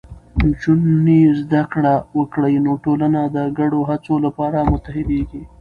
نجونې زده کړه وکړي، نو ټولنه د ګډو هڅو لپاره متحدېږي.